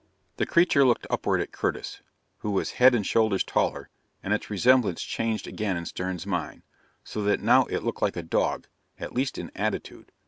The creature looked upward at Curtis, who was head and shoulders taller, and its resemblance changed again in Stern's mind, so that now it looked like a dog, at least in attitude.